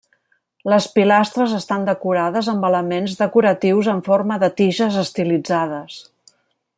Les pilastres estan decorades amb elements decoratius en forma de tiges estilitzades.